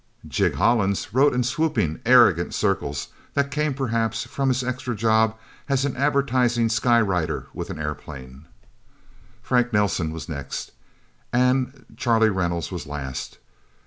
Jig Hollins wrote in swooping, arrogant circles, that came, perhaps, from his extra jobs as an advertising sky writer with an airplane. Frank Nelsen was next, and Charlie Reynolds was last.